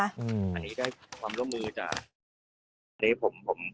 อันนี้ได้ความร่วมมือจาก